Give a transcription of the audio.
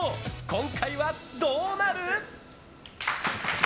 今回はどうなる！？